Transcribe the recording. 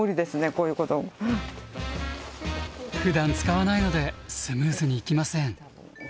こういうこと。ふだん使わないのでスムーズにいきません。